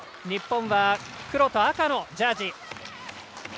日本は黒と赤のジャージ。